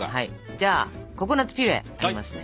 じゃあココナツピュレありますね。